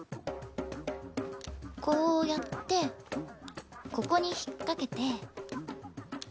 こうやってここに引っ掛けて。